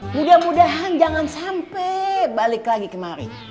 mudah mudahan jangan sampai balik lagi kemari